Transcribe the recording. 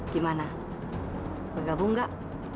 gimana bergabung gak